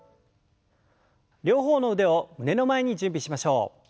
両方の腕を胸の前に準備しましょう。